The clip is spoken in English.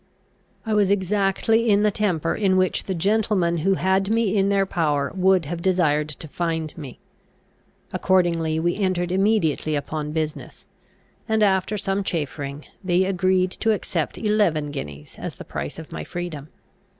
I was exactly in the temper in which the gentlemen who had me in their power would have desired to find me. Accordingly we entered immediately upon business; and, after some chaffering, they agreed to accept eleven guineas as the price of my freedom.